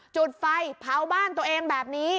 จุดไฟเผาบ้านตัวเองแบบนี้